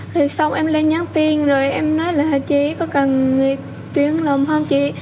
rồi sau em lên nhắn tin rồi em nói là chị có cần người tuyến lùm không chị